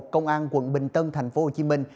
công an quận bình tân thành phố hồ chí minh